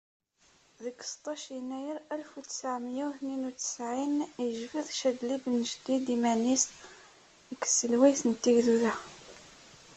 Deg seṭṭac Yennayer alef u ttɛemya u tniyen u ttɛin, yejbed Cadli Ben Jdid iman-is deg tselwayt n tegduda.